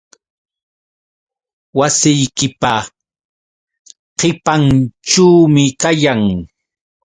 Wasiykipa qipanćhuumi kayan.